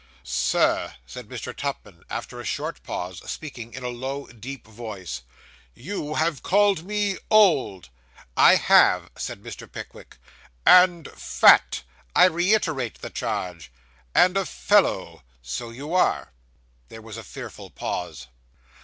'Sir,' said Mr. Tupman, after a short pause, speaking in a low, deep voice, 'you have called me old.' 'I have,' said Mr. Pickwick. 'And fat.' 'I reiterate the charge.' 'And a fellow.' 'So you are!' There was a fearful pause.